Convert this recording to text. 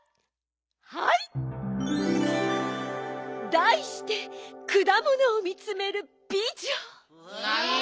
だいして「くだものをみつめるびじょ」。